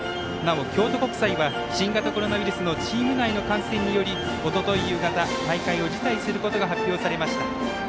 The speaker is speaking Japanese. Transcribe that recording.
なお、京都国際は新型コロナウイルスのチーム内の感染によりおととい夕方大会を辞退することが発表されました。